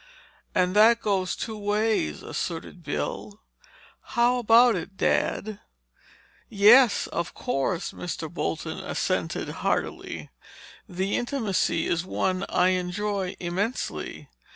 "And that goes two ways," asserted Bill. "How about it, Dad?" "Yes, of course," Mr. Bolton assented heartily. "The intimacy is one I enjoy immensely.